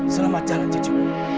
selamat jalan cucu